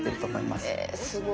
すごい！